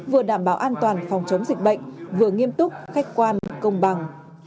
vừa đảm bảo an toàn phòng chống dịch bệnh vừa nghiêm túc khách quan công bằng